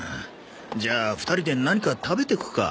じゃあ２人で何か食べてくか。